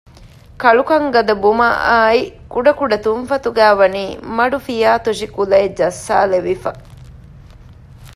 ކަޅުކަން ގަދަ ބުމައާއި ކުޑަ ކުޑަ ތުންފަތުގައި ވަނީ މަޑު ފިޔާތޮށި ކުލައެއް ޖައްސާލެވިފަ